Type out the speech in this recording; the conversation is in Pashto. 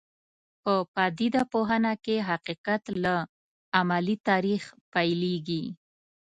په پدیده پوهنه کې حقیقت له عملي تاریخ پیلېږي.